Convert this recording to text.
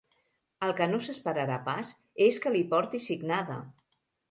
El que no s'esperarà pas és que li porti signada!